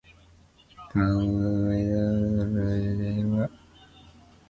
Its main base is Podgorica Airport, with a hub at Tivat Airport.